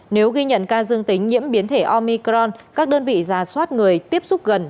nếu ghi nhận ca dương tính nhiễm biến thể omicron các đơn vị giả soát người tiếp xúc gần